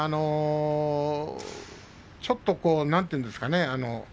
ちょっとなんていうんですかね。